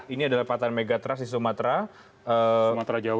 ini adalah patahan megatrus di sumatera